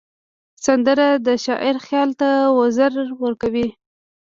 سندره د شاعر خیال ته وزر ورکوي